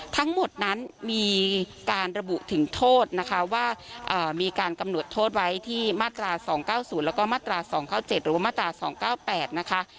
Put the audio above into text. ทั้งหมดนั้นมีการระบุถึงโทษนะคะว่ามีการกำหนดโทษไว้ที่มาตรา๒๙๐แล้วก็มาตรา๒๙๗หรือว่ามาตรา๒๙๘นะคะ